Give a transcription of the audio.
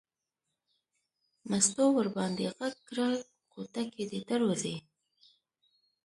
مستو ور باندې غږ کړل کوټه کې دی در وځي.